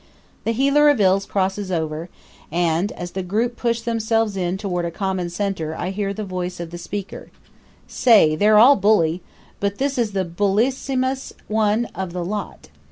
The healer of ills crosses over; and as the group push themselves in toward a common center I hear the voice of the speaker: "Say, they're all bully; but this is the bullissimus one of the lot.